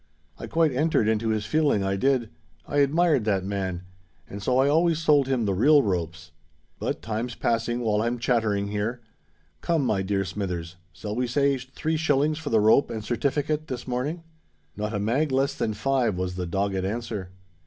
I quite entered into his feeling, I did—I admired that man; and so I always sold him the real ropes. But time's passing, while I'm chattering here. Come, my dear Smithers—shall we say three shillings for the rope and certifikit this morning?" "Not a mag less than five," was the dogged answer.